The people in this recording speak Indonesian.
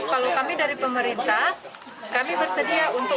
kalau kami dari pemerintah kami bersedia untuk